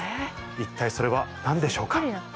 一体それは何でしょうか？